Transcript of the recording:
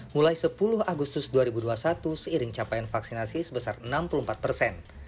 mulai sepuluh agustus dua ribu dua puluh satu seiring capaian vaksinasi sebesar enam puluh empat persen